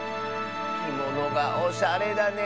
きものがおしゃれだね。